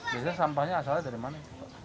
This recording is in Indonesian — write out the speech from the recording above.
biasanya sampahnya asalnya dari mana